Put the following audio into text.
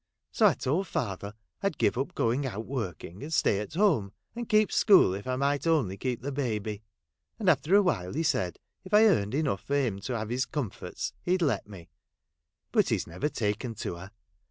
So I told father 1 'd give up going out working, and stay at home nnd keep school, if I might only keep the baby ; and after awhile, he said if I earned enough for him to have his comforts, he'd let me ; but he's never taken to her.